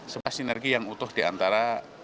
sebuah sinergi yang utuh diantara